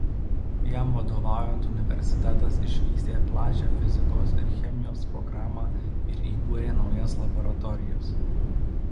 Jam vadovaujant universitetas išvystė plačią fizikos ir chemijos programą ir įkūrė naujas laboratorijas.